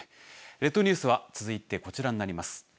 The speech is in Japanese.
列島ニュースは続いてこちらになります。